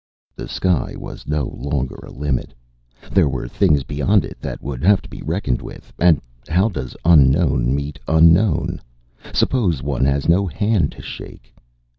The sky was no longer a limit. There were things beyond it that would have to be reckoned with. And how does unknown meet unknown? Suppose one has no hand to shake?